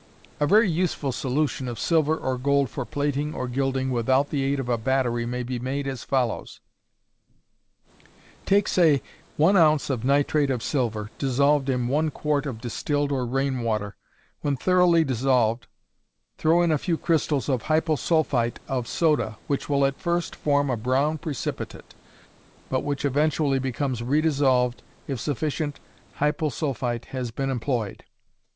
_ A very useful solution of silver or gold for plating or gilding without the aid of a battery may be made as follows: Take say, 1 ounce of nitrate of silver, dissolved in one quart of distilled or rain water. When thoroughly dissolved, throw in a few crystals of hyposulphite of soda, which will at first form a brown precipitate, but which eventually becomes redissolved if sufficient hyposulphite has been employed.